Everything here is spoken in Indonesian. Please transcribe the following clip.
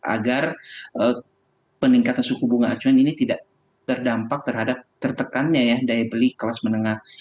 agar peningkatan suku bunga acuan ini tidak terdampak terhadap tertekannya ya daya beli kelas menengah